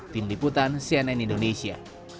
tim diputan cnn indonesia